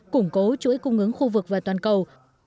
củng cố chuỗi cung ứng khu vực và toàn cầu